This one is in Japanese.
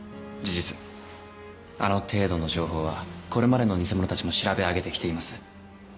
事実あの程度の情報はこれまでの偽物たちも調べ上げてきています。